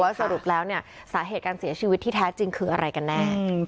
สรุปแล้วเนี่ยสาเหตุการเสียชีวิตที่แท้จริงคืออะไรกันแน่